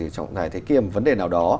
trọng tài thế kia một vấn đề nào đó